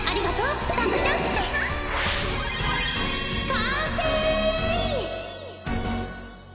完成！